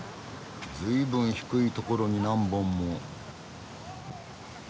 ずいぶん低いところに何本も。